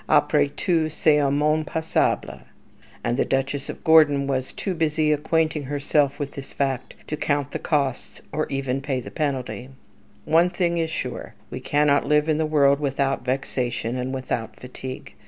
"Apres tout, c'est un monde passable"; and the Duchess of Gordon was too busy acquainting herself with this fact to count the costs, or even pay the penalty. One thing is sure, we cannot live in the world without vexation and without fatigue.